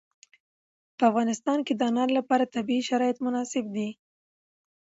په افغانستان کې د انار لپاره طبیعي شرایط مناسب دي.